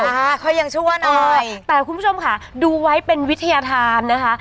เขายังชั่วหน่อยแต่คุณผู้ชมค่ะดูไว้เป็นวิทยาธารนะคะ